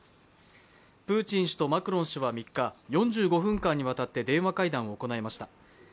プーチン氏とマクロン氏は３日、４５分間にわたって電話会談を行いました。